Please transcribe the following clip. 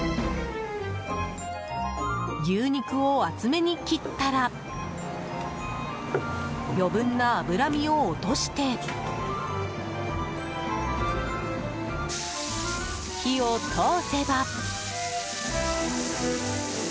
牛肉を厚めに切ったら余分な脂身を落として火を通せば。